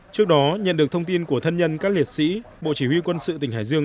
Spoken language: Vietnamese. trước đó nhận được thông tin của thân nhân các liệt sĩ bộ chỉ huy quân sự tỉnh hải dương